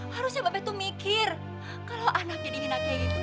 harusnya mbak peh tuh mikir kalau anak jadi hina kayak gitu